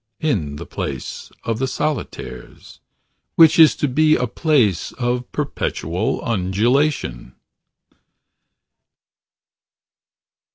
In the place of the solitaires. Which is to be a place of perpetual undulation.